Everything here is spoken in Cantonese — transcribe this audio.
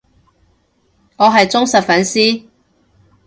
我係忠實粉絲